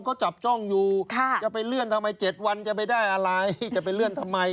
เขาจับจ้องอยู่จะไปเลื่อนทำไม๗วันจะไปได้อะไรจะไปเลื่อนทำไม